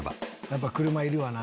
やっぱ車いるわな。